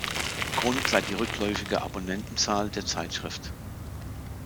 Grund sei die rückläufige Abonnentenzahl der Zeitschrift.